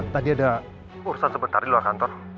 tadi ada urusan sebentar di luar kantor